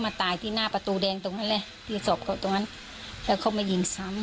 ไม่มีในการพูดอะไรเลยไม่ยิงแล้วก็ไป